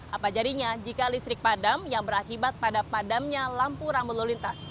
apa jadinya jika listrik padam yang berakibat pada padamnya lampu rambut lalu lintas